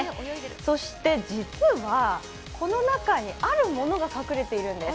そして実は、この中にあるものが隠れているんです。